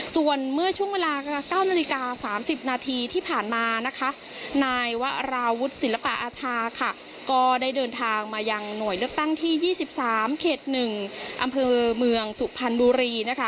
ส่วนเมื่อช่วงเวลา๙นาฬิกา๓๐นาทีที่ผ่านมานะคะนายวราวุฒิศิลปะอาชาค่ะก็ได้เดินทางมายังหน่วยเลือกตั้งที่๒๓เขต๑อำเภอเมืองสุพรรณบุรีนะคะ